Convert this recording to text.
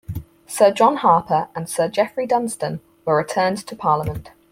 Sir John Harper and Sir Jeffrey Dunstan were "returned to parliament".